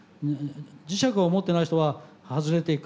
磁石を持ってない人は外れていく。